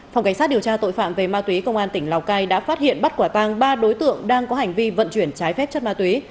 phòng cảnh sát điều tra tội phạm về ma túy công an tỉnh lào cai đã phát hiện bắt quả tang ba đối tượng đang có hành vi vận chuyển trái phép chất ma túy